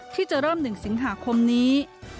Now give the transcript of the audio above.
ที่จะเริ่ม๑สิงหาคมนี้